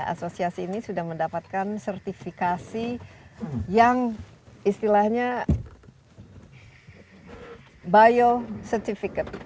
asosiasi ini sudah mendapatkan sertifikasi yang istilahnya bio certificate